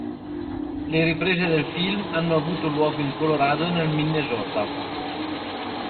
Le riprese del film hanno avuto luogo in Colorado e nel Minnesota.